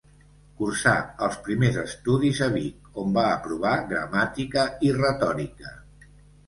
Cursà els primers estudis a Vic on va aprovar gramàtica i retòrica.